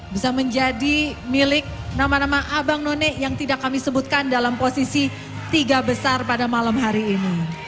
bisa menjadi milik nama nama abang none yang tidak kami sebutkan dalam posisi tiga besar pada malam hari ini